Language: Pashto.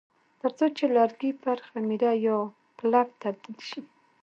ترڅو چې لرګي پر خمیره یا پلپ تبدیل شي.